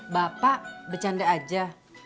bapak bercanda aja